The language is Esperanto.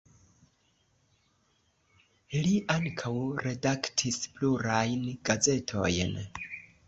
Li ankaŭ redaktis plurajn gazetojn.